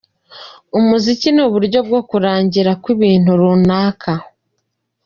Umuziki ni uburyo bwo kurangira kw’ikintu runaka.